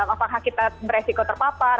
apakah kita beresiko terpapar